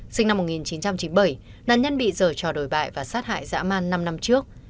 sinh năm một nghìn chín trăm chín mươi bảy nạn nhân bị rời trò đồi bại và sát hại dã man năm năm trước